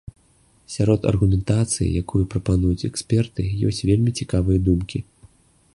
Сярод аргументацыі, якую прапануюць эксперты, ёсць вельмі цікавыя думкі.